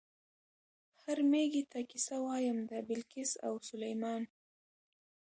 "هر مېږي ته قصه وایم د بلقیس او سلیمان".